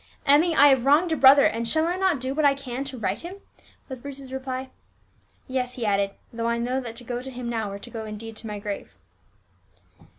"Emmie, I have wronged a brother, and shall I not do what I can to right him?" was Bruce's reply. "Yes," he added, "though I knew that to go to him now were to go indeed to my grave."